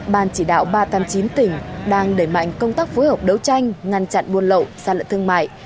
ban chỉ đạo ba trăm tám mươi chín tỉnh đang đẩy mạnh công tác phối hợp đấu tranh ngăn chặn buôn lậu gian lận thương mại